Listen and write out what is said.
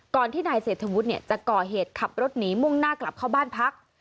ที่นายเศรษฐวุฒิจะก่อเหตุขับรถหนีมุ่งหน้ากลับเข้าบ้านพัก